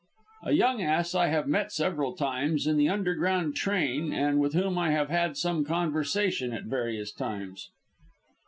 "A young ass I have met several times in the underground train, and with whom I have had some conversation at various times."